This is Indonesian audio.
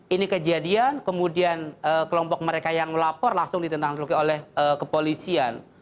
ini kejadian kemudian kelompok mereka yang melapor langsung ditentangan oleh kepolisian